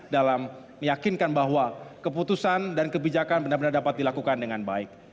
dalam meyakinkan bahwa keputusan dan kebijakan benar benar dapat dilakukan dengan baik